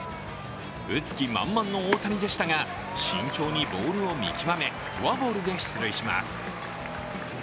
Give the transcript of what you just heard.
打つ気満々の大谷でしたが慎重にボールを見極めフォアボールで出塁します。